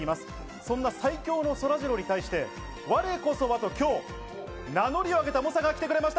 その最強のそらジローに対して、我こそはと今日、名乗りを上げた猛者が来てくれました。